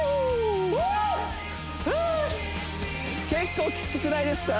フー結構きつくないですか？